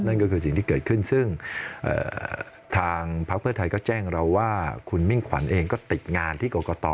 นั่นก็คือสิ่งที่เกิดขึ้นซึ่งทางพักเพื่อไทยก็แจ้งเราว่าคุณมิ่งขวัญเองก็ติดงานที่กรกต